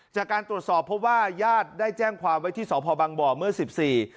จากการตรวจสอบเพราะว่าญาติได้แจ้งความไว้ที่สพบังบ่อเมื่อสิบสี่